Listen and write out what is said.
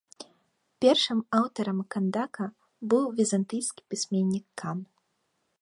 Першым аўтарам кандака быў візантыйскі пісьменнік кан.